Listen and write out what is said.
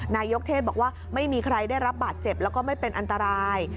นายกเทศบอกว่าไม่มีใครได้รับบาดเจ็บแล้วก็ไม่เป็นอันตราย